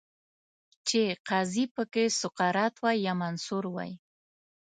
چې قاضي پکې سقراط وای، یا منصور وای